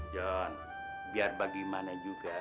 john biar bagaimana juga